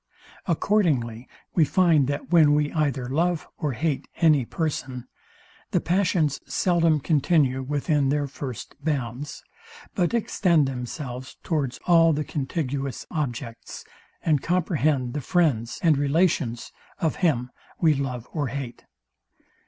Accordingly we find, that when we either love or hate any person, the passions seldom continue within their first bounds; but extend themselves towards all the contiguous objects, and comprehend the friends and relations of him we love or hate.